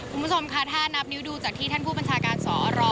คุณผู้ชมค่ะถ้านับนิ้วดูจากที่ท่านผู้บัญชาการสอร